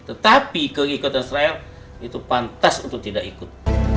tetapi ke giga transrail itu pantas untuk tidak ikut